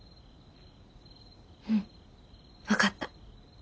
うん分かった。